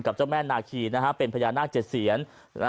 เจ้าแม่นาคีนะฮะเป็นพญานาค๗เสียน